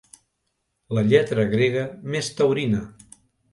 La lletra grega més taurina.